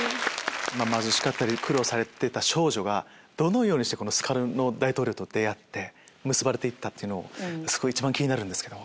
貧しかったり苦労されてた少女がどのようにしてスカルノ大統領と出会って結ばれて行ったってそこが一番気になるんですけど。